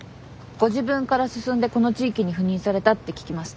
ご自分から進んでこの地域に赴任されたって聞きました。